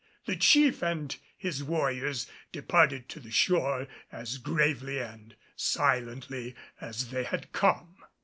The chief and his warriors departed to the shore as gravely and silently as they had come.